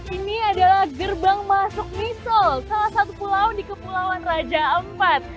ini adalah gerbang masuk misol salah satu pulau di kepulauan raja ampat